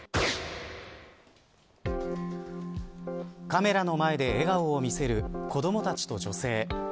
カメラの前で笑顔を見せる子どもたちと女性。